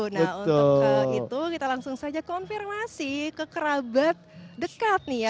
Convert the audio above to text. nah untuk ke itu kita langsung saja konfirmasi ke kerabat dekat nih ya